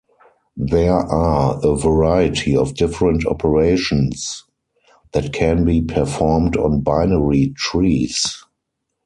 There are a variety of different operations that can be performed on binary trees.